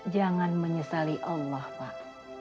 jangan menyesali allah pak